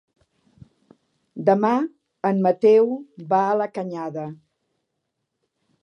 Demà en Mateu va a la Canyada.